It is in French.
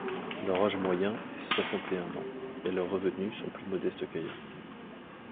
Leur âge moyen est soixante-et-un ans et leurs revenus sont plus modestes qu’ailleurs.